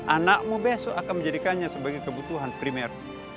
anakmu besok akan menjadikannya sebagai kebutuhan primer